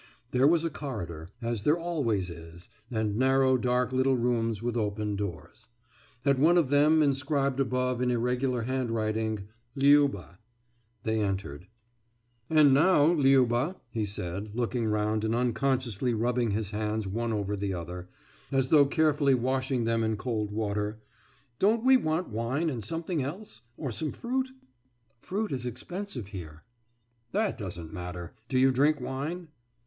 There was a corridor, as there always is, and narrow dark little rooms with open doors. At one of them inscribed above in irregular handwriting, »Liuba«, they entered. »And now, Liuba,« he said, looking round and unconsciously rubbing his hands one over the other, as though carefully washing them in cold water, »don't we want wine and something else? Or some fruit?« »Fruit is expensive here.« »That doesn't matter. Do you drink wine?